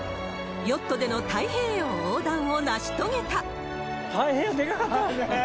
ヨットでの太平洋横断を成し遂げた。